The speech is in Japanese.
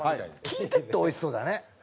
聞いてるとおいしそうだね。